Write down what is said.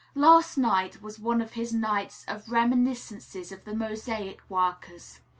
Last night was one of his nights of reminiscences of the mosaic workers.